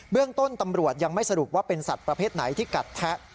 เรื่องต้นตำรวจยังไม่สรุปว่าเป็นสัตว์ประเภทไหนที่กัดแทะ